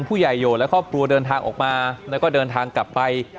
ผู้ใหญ่โยชนและครอบครัวเดินทางออกมาแล้วก็เดินทางกลับไป